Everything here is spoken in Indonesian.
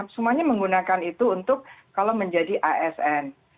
semuanya menggunakan itu untuk kalau menjadi asn